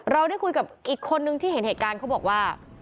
เราได้คุยกับอีกคนนึงที่เห็นเหตุการณ์เขาบอกว่า